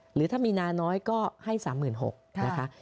หรือถ้ามีนาน้อยก็ให้๓๖๐๐นะคะ